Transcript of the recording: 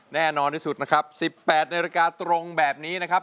แน่นอนที่สุดนะครับ๑๘นาฬิกาตรงแบบนี้นะครับ